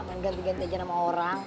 main ganti ganti aja nama orang